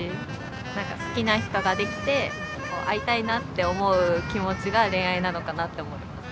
なんか好きな人ができて会いたいなって思う気持ちが恋愛なのかなって思います。